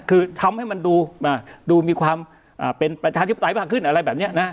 คือทำให้มันดูมีความเป็นประชาธิปไตยมากขึ้นอะไรแบบนี้นะ